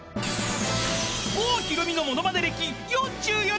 ［郷ひろみのものまね歴４４年。